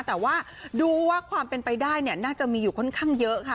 แต่ว่าดูว่าความเป็นไปได้น่าจะมีอยู่ค่อนข้างเยอะค่ะ